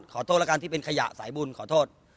ขอโทษแล้วกันที่เป็นขยะสายบุญขอโทษ